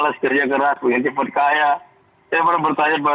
masyarakat kita mungkin males kerja keras mungkin cepat kaya